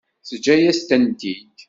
Teǧǧa-yas-tent-id.